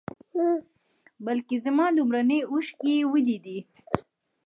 بلکې زما لومړنۍ اوښکې یې ولیدې.